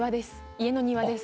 家の庭です。